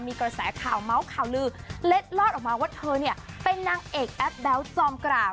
มีกระแสข่าวเมาส์ข่าวลือเล็ดลอดออกมาว่าเธอเนี่ยเป็นนางเอกแอปแบ๊วจอมกราบ